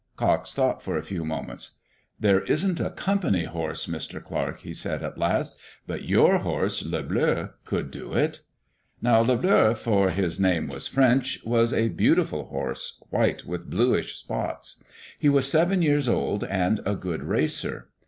Cox thought for a few moments. "There isn't a Company horse, Mr. Clarke," he said at last. "But your horse, Le Bleu, could do it." Now Le Bleu, for his name was French, was a beauti ful horse, white with bluish spots. He was seven years old and a good racer.